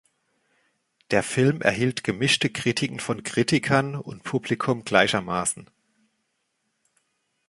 Der Film erhielt gemischte Kritiken von Kritikern und Publikum gleichermaßen.